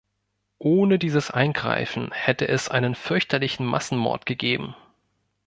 Ohne dieses Eingreifen hätte es einen fürchterlichen Massenmord gegeben.